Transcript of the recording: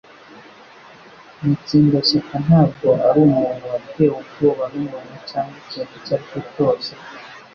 Mutsindashyaka ntabwo arumuntu watewe ubwoba numuntu cyangwa ikintu icyo aricyo cyose.